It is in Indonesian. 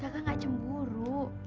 kakak gak cemburu